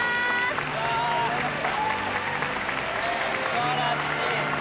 素晴らしい。